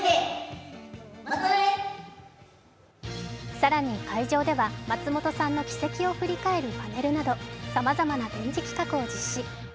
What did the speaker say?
更に会場では、松本さんの軌跡を振り返るパネルなどさまざまな展示企画を実施。